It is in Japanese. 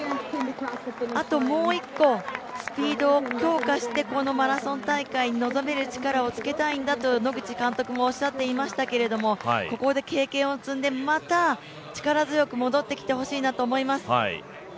あともう一個、スピードを強化してこのマラソン大会に挑める力をつけたいんだと野口監督もおっしゃっていましたけどここで経験を積んでまた力強く戻ってきてほしいなと思います。